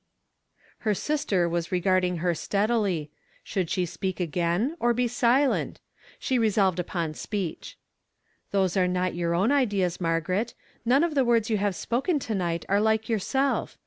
Her sister was regarding her steadily. Should 258 YESTERDAY FRAMED IN TO DAY. she speak again, or be silent? She resolved upon speech. " Those are not your own ideas, Margaret ; none of the words you have spoken to night are like yourself.